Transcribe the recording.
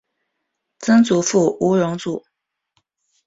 曾祖父吴荣祖。